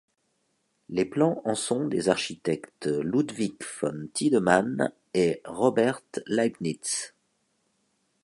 Les plans en sont des architectes Ludwig von Tiedemann et Robert Leibnitz.